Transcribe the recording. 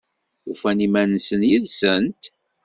Ufan iman-nsen yid-sent?